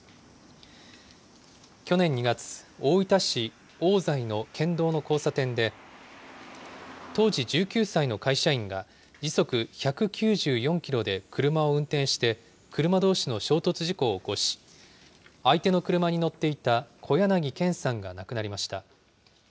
去年２月、大分市大在の県道の交差点で、当時１９歳の会社員が時速１９４キロで車を運転して、車どうしの衝突事故を起こし、相手の車に乗っていた小柳憲さんが亡くなりました。